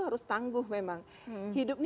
harus tangguh memang hidup ini